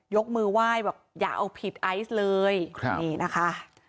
ยกมือไหว้บอกอย่าเอาผิดไอซ์เลยนี่นะคะ